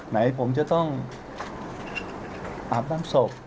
ไหนผมจะต้องอาบน้ำศพ